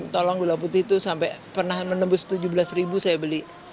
tolong gula putih itu sampai pernah menembus tujuh belas ribu saya beli